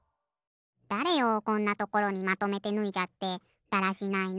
だれよこんなところにまとめてぬいじゃってだらしないな。